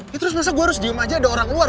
dia terus masa gue harus diem aja ada orang luar